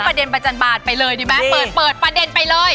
ประเด็นประจันบาลไปเลยดีไหมเปิดประเด็นไปเลย